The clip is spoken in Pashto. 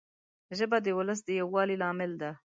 ژبه د ولس د یووالي لامل ده